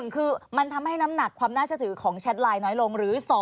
๑คือมันทำให้น้ำหนักความน่าจะถือของแชทไลน์น้อยลง